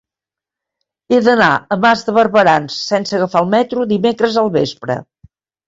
He d'anar a Mas de Barberans sense agafar el metro dimecres al vespre.